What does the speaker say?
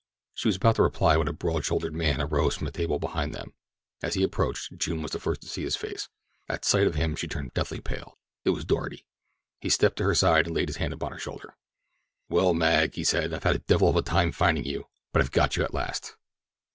She was about to reply when a broad shouldered man arose from a table behind them. As he approached June was the first to see his face. At sight of him she turned deathly pale—it was Doarty. He stepped to her side and laid his hand upon her shoulder. "Well, Mag," he said, "I've had a devil of a time finding you; but I've got you at last."